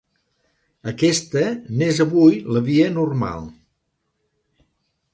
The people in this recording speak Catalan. Aquesta n'és avui la via normal.